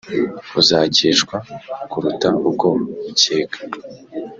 uzakeshwa kuruta uko ukeka